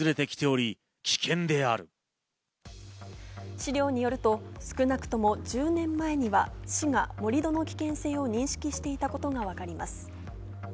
資料によると少なくとも１０年前には市が盛り土の危険性を認識していたことがわかります。